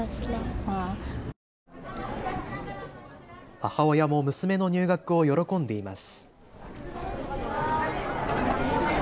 母親も娘の入学を喜んでいます。